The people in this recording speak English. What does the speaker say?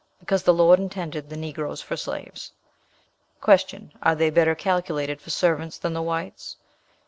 'Because the Lord intended the Negroes for slaves.' "Q. Are they better calculated for servants than the whites?